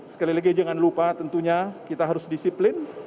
sekali lagi jangan lupa tentunya kita harus disiplin